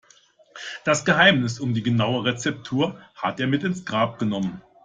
Das Geheimnis um die genaue Rezeptur hat er mit ins Grab genommen.